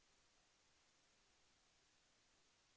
โปรดติดตามต่อไป